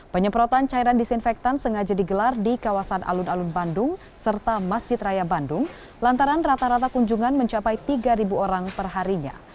penyemprotan cairan disinfektan sengaja digelar di kawasan alun alun bandung serta masjid raya bandung lantaran rata rata kunjungan mencapai tiga orang perharinya